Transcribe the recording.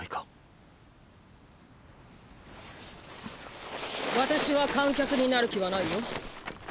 ・私は観客になる気はないよ。